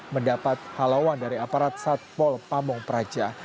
mendapat halawan dari aparat satpol pamung praja